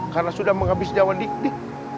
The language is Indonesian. karena sudah menghabis jauhan di